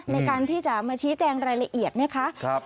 ในการที่จะมาชี้แจงรายละเอียดนะคะ